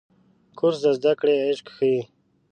کورس د زده کړې عشق ښيي.